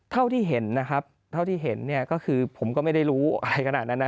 เท่าที่เห็นนะครับเท่าที่เห็นเนี่ยก็คือผมก็ไม่ได้รู้อะไรขนาดนั้นนะ